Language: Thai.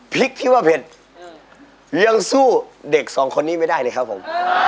พริกที่ว่าเผ็ดยังสู้เด็กสองคนนี้ไม่ได้เลยครับผม